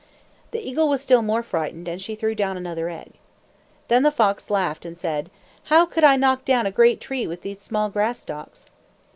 The eagle was still more frightened, and she threw down another egg. Then the fox laughed and said, "How could I knock down a great tree with these small grass stalks?"